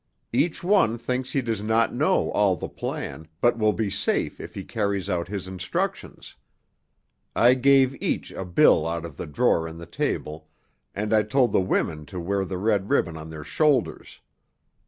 "Each one thinks he does not know all the plan, but will be safe if he carries out his instructions. I gave each a bill out of the drawer in the table, and I told the women to wear the red ribbon on their shoulders.